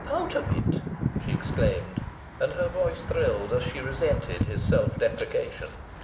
"Out of it?" she exclaimed, and her voice thrilled as she resented his self depreciation.